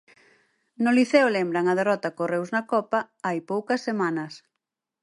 No Liceo lembran a derrota co Reus na Copa hai poucas semanas.